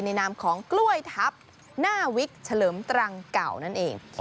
นามของกล้วยทับหน้าวิกเฉลิมตรังเก่านั่นเอง